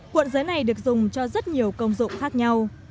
cuộn giấy này được dùng cho rất nhiều công dụng khác nhau